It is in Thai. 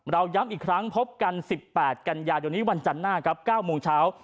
ย้ำอีกครั้งพบกัน๑๘กันยายนนี้วันจันทร์หน้าครับ๙โมงเช้า